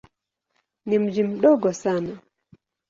Ni mji mdogo sana.